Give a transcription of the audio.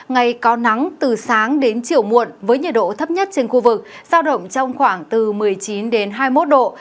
ngày có nắng từ sáng đến chiều muộn với nhiệt độ thấp nhất trên khu vực giao động trong khoảng từ một mươi chín đến hai mươi một độ